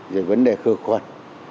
rồi vấn đề khởi khuẩn